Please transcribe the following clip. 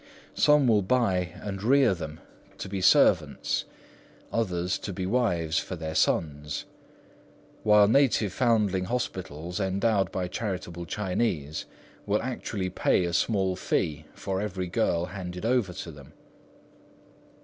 Some will buy and rear them to be servants; others, to be wives for their sons; while native foundling hospitals, endowed by charitable Chinese, will actually pay a small fee for every girl handed over them.